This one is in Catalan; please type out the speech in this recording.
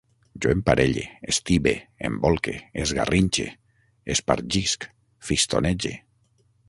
Jo emparelle, estibe, embolque, esgarrinxe, espargisc, fistonege